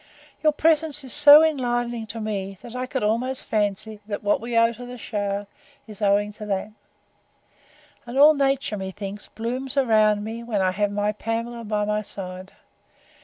Your presence is so enlivening to me, that I could almost fancy, that what we owe to the shower, is owing to that: And all nature, methinks, blooms around me when I have my Pamela by my side.